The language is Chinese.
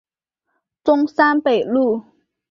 中山北路